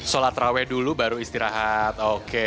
sholat raweh dulu baru istirahat oke